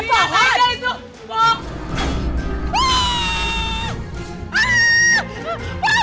lihat aja itu bu